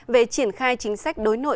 về triển khai chính sách đối nội